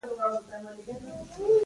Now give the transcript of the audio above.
ډلې پکې جوړې شوې.